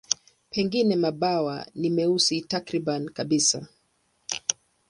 Pengine mabawa ni meusi takriban kabisa.